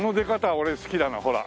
俺好きだなほら！